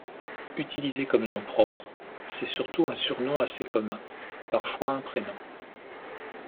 Utilisé comme nom propre, c'est surtout un surnom assez commun, parfois un prénom.